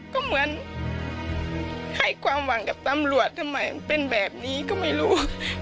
ก็เหมือนให้ความหวังกับตำรวจทำไมมันเป็นแบบนี้ก็ไม่รู้